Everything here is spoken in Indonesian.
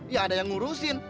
ya ada yang ngurusin